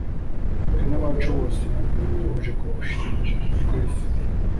twe n'abacu bose, tuje kugushima (twese)